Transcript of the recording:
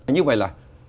như vậy là